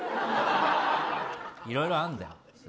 いろいろあるんだよ。